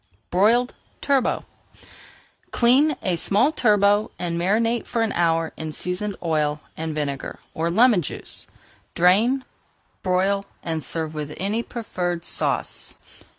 BROILED TURBOT Clean a small turbot and marinate for an hour in seasoned oil and vinegar or lemon juice. Drain, broil, and serve with any preferred sauce.